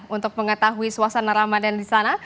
untuk mengetahui suasana ramadan di sana